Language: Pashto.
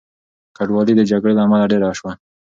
کډوالۍ د جګړې له امله ډېره شوه.